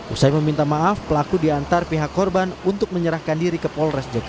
usai meminta maaf pelaku diantar pihak korban untuk menyerahkan diri ke polres jakarta